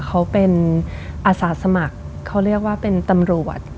เขาเป็นอาสาสมัครเขาเรียกว่าเป็นตำรวจ